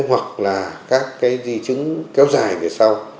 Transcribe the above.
hoặc là các di chứng kéo dài về sau